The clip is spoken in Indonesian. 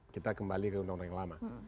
kita kembali ke undang undang yang lama